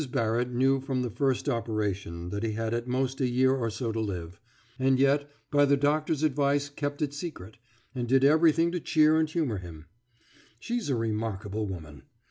Barrett knew from the first operation that he had at most a year or so to live, and yet by the doctor's advice kept it secret, and did everything to cheer and humour him. She's a remarkable woman.